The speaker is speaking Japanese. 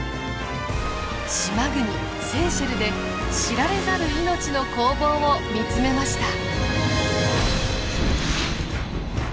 島国セーシェルで知られざる命の攻防を見つめました。